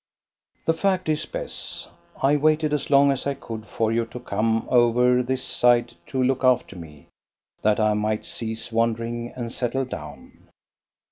The fact is, Bess, I waited as long as I could for you to come over this side to look after me, that I might cease wandering and settle down.